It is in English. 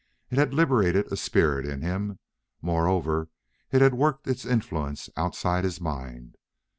It had liberated a spirit in him. Moreover, it had worked its influence outside his mind.